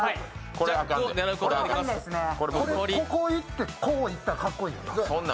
ここいって、こういったらかっこいいよな。